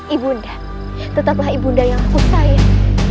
ibunda tetaplah ibunda yang aku sains